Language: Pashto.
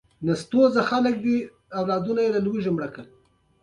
د هغه ميتود څخه عبارت دي چي د دوو يا څو زده کوونکو،